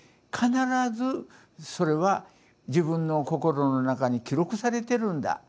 必ずそれは自分の心の中に記録されてるんだ。